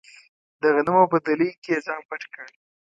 د غنمو په دلۍ کې یې ځان پټ کړ.